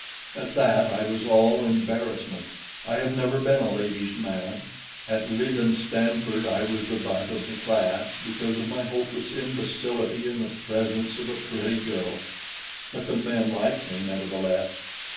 At that I was all embarrassment. I have never been a ladies' man; at Leland Stanford I was the butt of the class because of my hopeless imbecility in the presence of a pretty girl; but the men liked me, nevertheless.